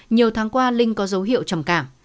nhiều tháng qua linh có dấu hiệu trầm cảm